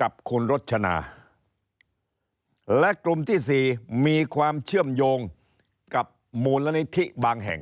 กับคุณรชนาและกลุ่มที่๔มีความเชื่อมโยงกับมูลนิธิบางแห่ง